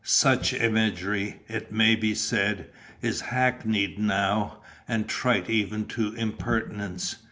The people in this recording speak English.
Such imagery, it may be said, is hackneyed now, and trite even to impertinence.